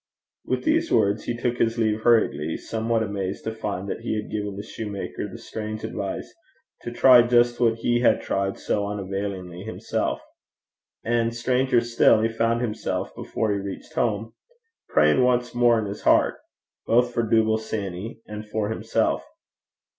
With these words he took his leave hurriedly, somewhat amazed to find that he had given the soutar the strange advice to try just what he had tried so unavailingly himself. And stranger still, he found himself, before he reached home, praying once more in his heart both for Dooble Sanny and for himself.